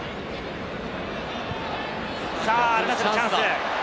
アルナスル、チャンス！